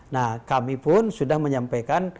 nah kami pun sudah menyampaikan